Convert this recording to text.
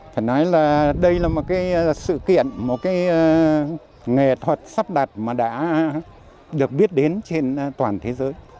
phải nói là đây là một cái sự kiện một cái nghệ thuật sắp đặt mà đã được biết đến trên toàn thế giới